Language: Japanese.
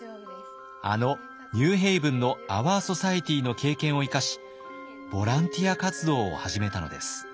あのニューヘイブンのアワー・ソサエティの経験を生かしボランティア活動を始めたのです。